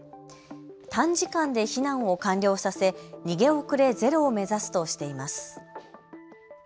短時間で避難を完了させ逃げ遅れゼロを目指すとしています。